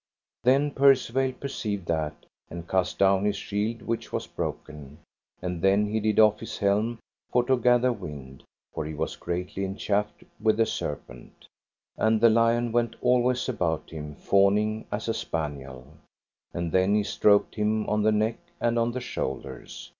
Then Percivale perceived that, and cast down his shield which was broken; and then he did off his helm for to gather wind, for he was greatly enchafed with the serpent: and the lion went alway about him fawning as a spaniel. And then he stroked him on the neck and on the shoulders.